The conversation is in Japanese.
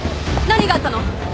何があったの！？